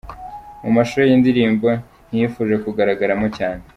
Mu mashusho y’iyi ndirimbo ntiyifuje kugaragaramo cyane.